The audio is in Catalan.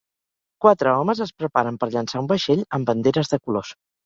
Quatre homes es preparen per llançar un vaixell amb banderes de colors.